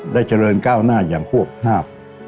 ได้เจริญก้าวหน้าอย่างหวบหน้า